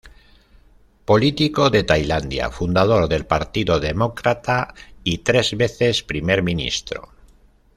Político de Tailandia, fundador del Partido Demócrata y tres veces Primer Ministro.